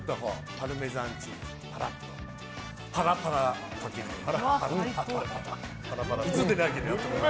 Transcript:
パルメザンチーズをパラパラかけて。